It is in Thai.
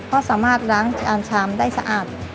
ก็สามารถล้างจานชามได้สะอาด